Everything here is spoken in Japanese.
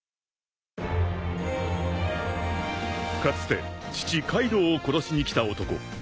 ［かつて父カイドウを殺しに来た男］